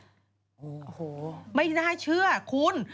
โอ้โหไม่น่าเชื่อคุณ